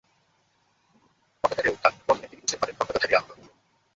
পতাকার এ উত্থান-পতনে তিনি বুঝতে পারেন পতাকাধারী আহত।